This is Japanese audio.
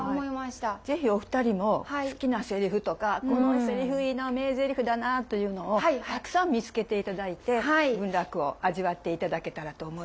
是非お二人も好きなセリフとかこのセリフいいな名ゼリフだなというのをたくさん見つけていただいて文楽を味わっていただけたらと思います。